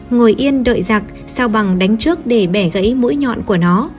ngồi yên đợi giặc sao bằng đánh trước để bẻ gãy mũi nhọn của nó